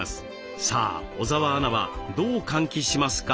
さあ小澤アナはどう換気しますか？